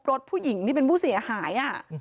รถผู้หญิงที่เป็นผู้เสียหาย